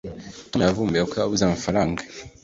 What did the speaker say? tom yavumbuye ko yabuze amafaranga